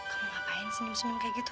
kamu ngapain senyum senyum kayak gitu